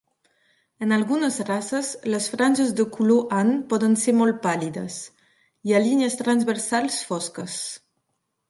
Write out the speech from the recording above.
En algunes races, les franges de color ant poden ser molt pàl·lides. Hi ha línies transversals fosques.